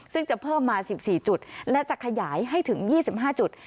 ซึ่งจะเพิ่มมา๑๔จุดและจะขยายให้ถึง๒๕จุด